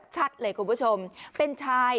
ชัดเลยคุณผู้ชมเป็นชาย